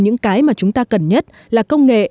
những cái mà chúng ta cần nhất là công nghệ